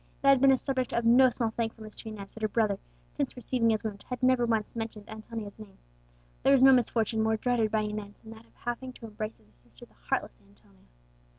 It had been a subject of no small thankfulness to Inez, that her brother, since receiving his wound, had never once mentioned Antonia's name. There was no misfortune more dreaded by Inez than that of having to embrace as a sister the heartless Antonia.